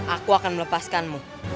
aku akan melepaskanmu